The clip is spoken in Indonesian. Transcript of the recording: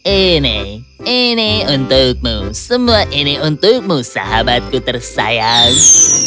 ini ini untukmu semua ini untukmu sahabatku tersayang